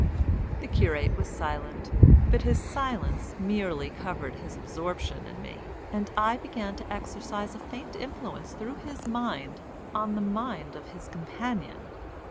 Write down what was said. The curate was silent, but his silence merely covered his absorption in me, and I began to exercise a faint influence through his mind on the mind of his companion.